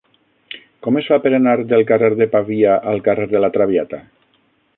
Com es fa per anar del carrer de Pavia al carrer de La Traviata?